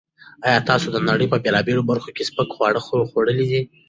ایا تاسو د نړۍ په بېلابېلو برخو کې سپک خواړه خوړلي دي؟